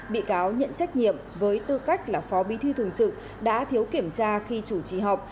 bị cáo nhận trách nhiệm với tư cách là phó bí thư thường trực đã thiếu kiểm tra khi chủ trì họp